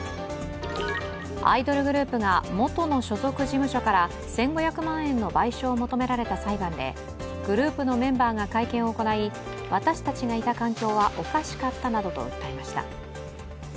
アイドルグループが元の所属事務所から１５００万円の賠償を求められた裁判でグループのメンバーが会見を行い、私たちがいた環境はおかしかったなどと訴えました。